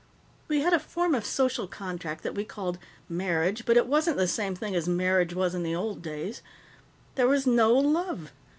"We had a form of social contract that we called 'marriage,' but it wasn't the same thing as marriage was in the old days. There was no love.